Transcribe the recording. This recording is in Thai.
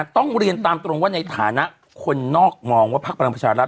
ต้องเรียนตามตรงว่าในฐานะคนนอกมองว่าพักพลังประชารัฐ